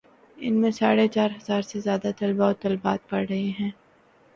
ان میں ساڑھے چار ہزار سے زیادہ طلبا و طالبات پڑھ رہے ہیں۔